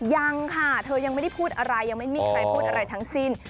ยังค่ะเธอยังไม่ได้พูดอะไรยังไม่มีใครพูดอะไรทั้งสิ้น